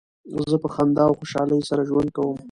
زه په خندا او خوشحالۍ سره ژوند کوم.